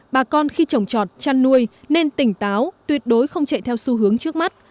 bà con khi trồng trọt chăn nuôi nên tỉnh táo tuyệt đối không chạy theo xu hướng trước mắt